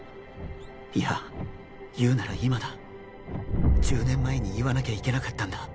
いや言うなら今だ１０年前に言わなきゃいけなかったんだ